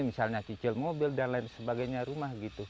misalnya cicil mobil dan lain sebagainya rumah gitu